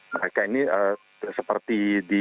mereka ini seperti